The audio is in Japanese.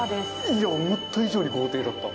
いや思った以上に豪邸だった。